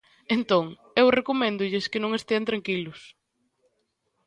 Entón, eu recoméndolles que non estean tranquilos.